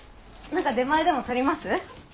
何か出前でも取ります？